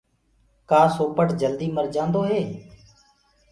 ڪآ سوپٽ جلدي مر جآندو هي؟